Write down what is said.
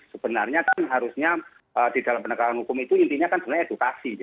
sebenarnya kan harusnya di dalam penegakan hukum itu intinya kan sebenarnya edukasi